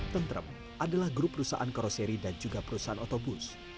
tentrem adalah grup perusahaan karoseri dan juga perusahaan otobus